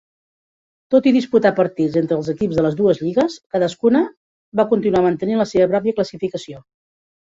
Tot i disputar partits entre els equips de les dues lligues, cadascuna va continuar mantenint la seva pròpia classificació.